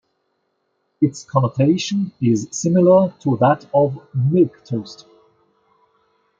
Its connotation is similar to that of "milquetoast".